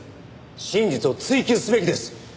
真実を追及すべきです。